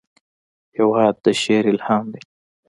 هېواد د شعر الهام دی.